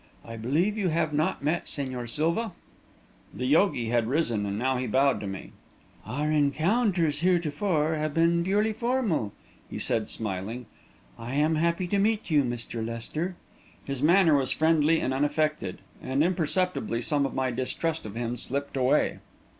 "I believe you have not met Señor Silva." The yogi had risen, and now he bowed to me. "Our encounters heretofore have been purely formal," he said, smiling. "I am happy to meet you, Mr. Lester." His manner was friendly and unaffected, and imperceptibly some of my distrust of him slipped away.